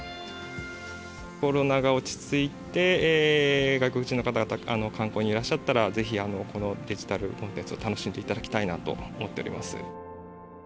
コロナが落ち着いて外国人の方々が観光にいらっしゃったら是非このデジタルコンテンツを楽しんでいただきたいなと思っております。